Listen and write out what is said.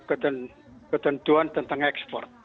untuk ketentuan tentang ekspor